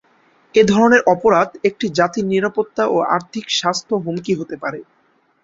এ ধরনের অপরাধ একটি জাতির নিরাপত্তা ও আর্থিক স্বাস্থ্য হুমকি হতে পারে।